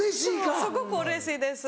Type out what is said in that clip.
すごくうれしいです。